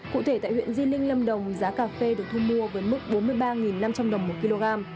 cụ thể tại huyện di linh lâm đồng giá cà phê được thu mua với mức bốn mươi ba năm trăm linh đồng một kg